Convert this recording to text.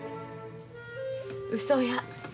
うそや。